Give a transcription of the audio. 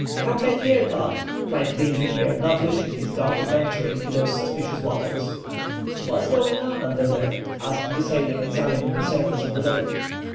"Come back here, Top," cried the engineer, not wishing his dog to venture in those supicious waters. "What's going on under there?" asked the sailor examining the surface of the lake.